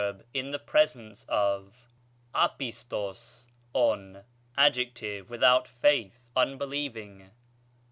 in the presence of. ἄπιστος, ov, adj., without faith, un believing.